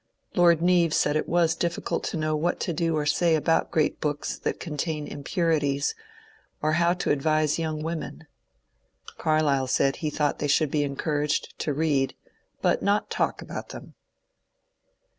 Lord Neave said it was difficult to know what to do or say about great books that contain impurities, or how to advise young women. Carlyle said he thought they should be encouraged to read but not talk about them.